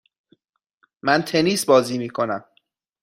من تنیس بازی میکنم.